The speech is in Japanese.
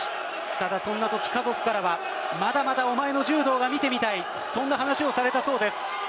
ただ、そんな時、家族からはまだまだお前の柔道が見てみたいそんな話をされたそうです。